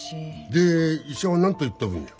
で医者は何と言っとるんや？